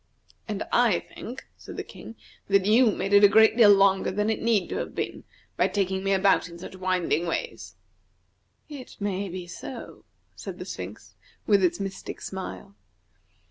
"And I think," said the King. "that you made it a great deal longer than it need to have been, by taking me about in such winding ways." "It may be so," said the Sphinx, with its mystic smile.